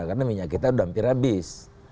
karena minyak kita sudah hampir habis